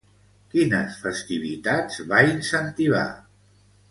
Quines festivitats va incentivar?